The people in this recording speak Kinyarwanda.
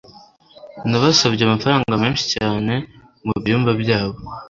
nabasabye amafaranga menshi cyane mubyumba byabo